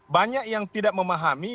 banyak yang tidak memahami